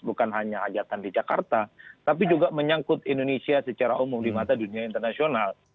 bukan hanya hajatan di jakarta tapi juga menyangkut indonesia secara umum di mata dunia internasional